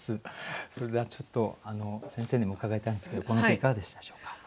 それではちょっと先生にも伺いたいんですけどこの句いかがでしたでしょうか。